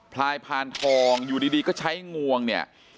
ลายพานทองอยู่ดีก็ใช้งวงเนี่ย